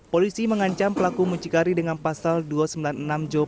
polisi mengancam pelaku mucikari dengan pasal dua ratus sembilan puluh enam jpo